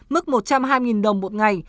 mức một trăm hai mươi đồng một ngày